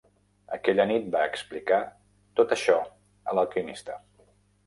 Aquella nit, va explicar tot això a l'alquimista.